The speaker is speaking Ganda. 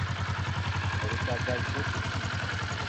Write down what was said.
Olutagajjo kye ki?